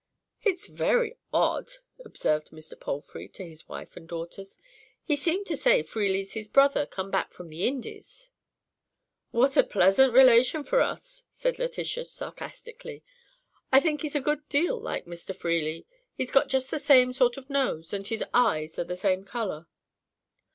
"It's very odd," observed Mr. Palfrey to his wife and daughters. "He seems to say Freely's his brother come back from th' Indies." "What a pleasant relation for us!" said Letitia, sarcastically. "I think he's a good deal like Mr. Freely. He's got just the same sort of nose, and his eyes are the same colour."